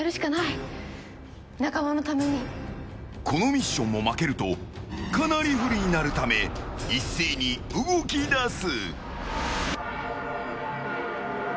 このミッションを負けるとかなり不利になるため一斉に動き出す。